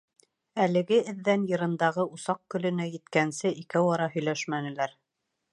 Әлеге эҙҙән йырындағы усаҡ көлөнә еткәнсе икәү-ара һөйләшмәнеләр.